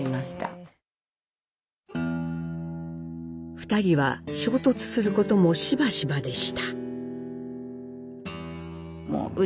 ２人は衝突することもしばしばでした。